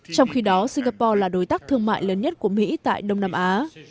trong khi đó singapore là đối tác thương mại lớn nhất của mỹ tại đông nam á